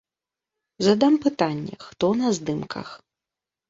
Задам пытанне, хто на здымках.